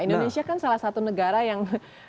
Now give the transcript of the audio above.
indonesia kan salah satu negara yang